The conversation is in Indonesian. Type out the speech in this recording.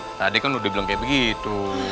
budak tadi kan udah bilang kayak begitu